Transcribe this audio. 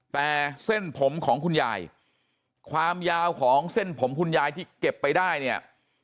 แต่เส้นผมของคุณยายความยาวของเส้นผมคุณยายที่เก็บไปได้เนี่ย